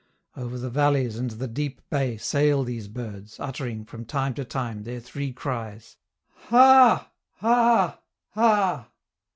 Over the valleys and the deep bay sail these birds, uttering, from time to time, their three cries, "Ha! ha! ha!"